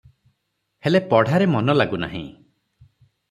ହେଲେ ପଢ଼ାରେ ମନ ଲାଗୁ ନାହିଁ ।